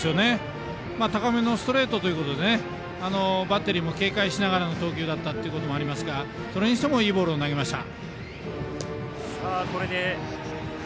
高めのストレートということでバッテリーも警戒しながらの投球だったということもありますがそれにしてもいいボールを投げました。